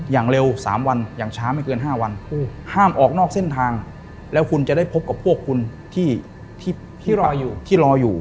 อย่างเร็ว๓วันอย่างช้าไม่เกิน๕วันห้ามออกนอกเส้นทางแล้วคุณจะได้พบกับพวกคุณที่รออยู่ที่รออยู่